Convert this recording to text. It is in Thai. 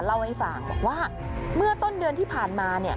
เล่าให้ฟังบอกว่าเมื่อต้นเดือนที่ผ่านมาเนี่ย